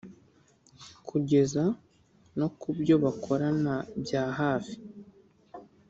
kugeza no kubyo bakorana byahafi